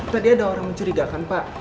tadi ada orang mencurigakan pak